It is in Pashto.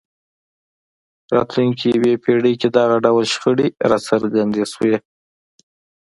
راتلونکې یوې پېړۍ کې دغه ډول شخړې راڅرګند شول.